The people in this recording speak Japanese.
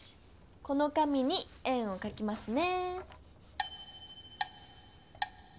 この紙に円をかきますね。